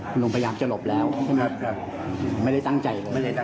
คุณลุงพยายามจะหลบแล้วไม่ได้ตั้งใจ